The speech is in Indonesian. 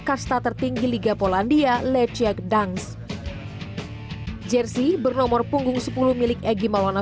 kasta tertinggi liga polandia leciak dance jersey bernomor punggung sepuluh milik egy malwana